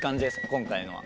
今回のは。